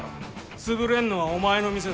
潰れんのはお前の店だ。